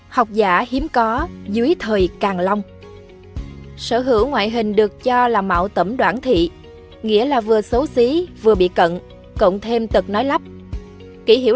học giả hiếm có dưới thời càng long